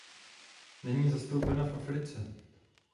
Není zastoupena v Africe.